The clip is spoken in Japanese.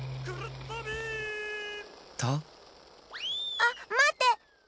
あっまって！